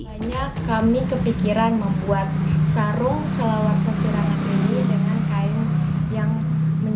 banyak kami kepikiran membuat sarung selawar sasirangan